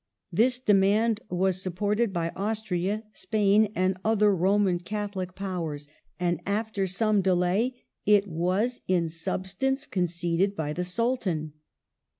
This demand was supported by Austria, Spain, and other Roman Catholic powers, and after some delay it was, in substance, con ceded by the Sultan.